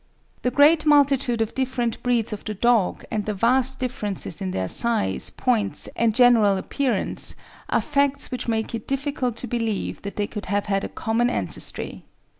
The great multitude of different breeds of the dog and the vast differences in their size, points, and general appearance are facts which make it difficult to believe that they could have had a common ancestry.